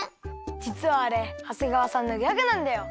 じつはあれ長谷川さんのギャグなんだよ！